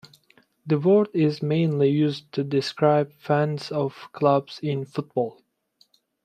The word is mainly used to describe fans of clubs in football.